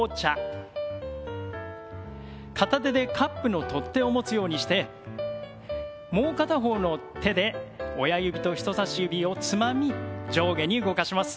片手でカップの取っ手を持つようにしてもう片方の手で親指と人さし指をつまみ上下に動かします。